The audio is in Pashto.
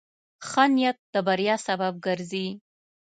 ښه نیت د بریا سبب ګرځي.